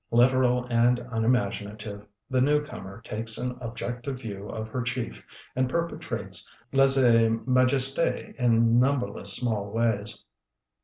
Literal and unimaginative, the newcomer takes an objective view of her chief and perpetrates lese majeste in numberless small ways.